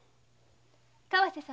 川瀬様。